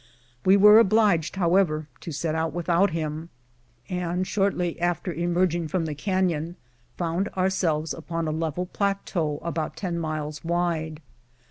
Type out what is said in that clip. We were obliged, however, to set out without him, and, shortly after 228 A NATURAL CORRAL. emerging from the caiion, found ourselves upon a level plateau about ten miles wide.